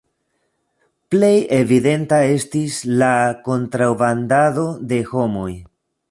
Plej evidenta estis la kontrabandado de homoj.